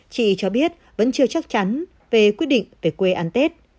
chị cho biết vẫn chưa chắc chắn về quyết định về quê ăn tết